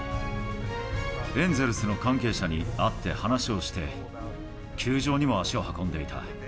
エンゼルスの関係者に会って話をして、球場にも足を運んでいた。